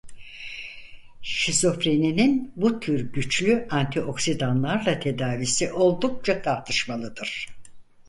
Şizofreninin bu tür güçlü antioksidanlarla tedavisi oldukça tartışmalıdır.